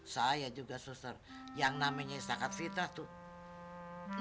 saya juga suster yang namanya istiqad fitah tuh